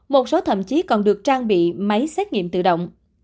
một số thậm chí còn được trang bị máy xét nghiệm tự động